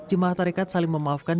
jemaah tarekat saling memaafkan